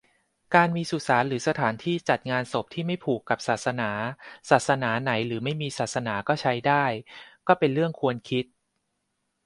การมีสุสานและสถานที่จัดงานศพ ที่ไม่ผูกกับศาสนา ศาสนาไหนหรือไม่มีศาสนาใช้ก็ได้ ก็เป็นเรื่องควรคิด